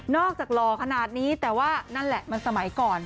จากหล่อขนาดนี้แต่ว่านั่นแหละมันสมัยก่อน